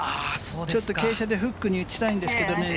ちょっと傾斜でフックに打ちたいんですけれどもね。